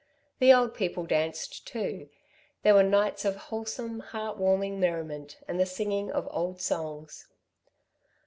The old people danced too. There were nights of wholesome, heart warming merriment and the singing of old songs.